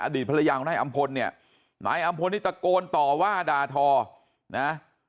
ภรรยาของนายอำพลเนี่ยนายอำพลนี่ตะโกนต่อว่าด่าทอนะ